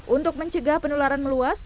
untuk mencegah penularan meluas